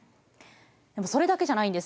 でもそれだけじゃないんです。